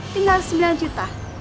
tinggal sembilan juta